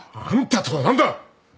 あんたとは何だ。